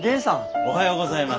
おはようございます。